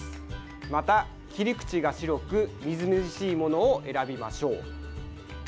また切り口が白くみずみずしいものを選びましょう。